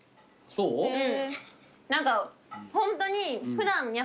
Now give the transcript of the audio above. うん！